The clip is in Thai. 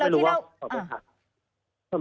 ไม่รู้ว่าเขาไปถาม